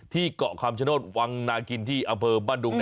ที่เกาะความชโนะตกวังหนากินที่อเผอบ้านดุง